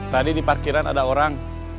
tadi di parkiran ada orang